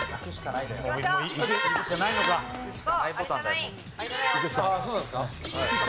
あっそうなんですか？